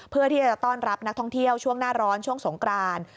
เพื่อที่จะต้อนรับนักท่องเที่ยวช่วงหน้าร้อนช่วงสงกราน